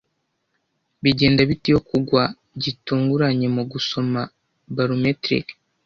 Bigenda bite iyo kugwa gitunguranye mugusoma barometric